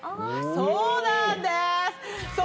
そうなんです。